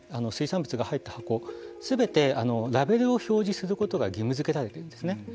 水産物が入った箱すべてラベルを表示することが義務づけられているんですね。